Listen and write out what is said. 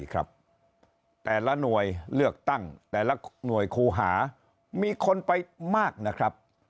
แต่ละหน่วยเลือกตั้งแต่ละหน่วยครูหามีคนไปมากนะครับ